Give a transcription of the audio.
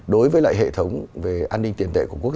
đối với lại hệ thống về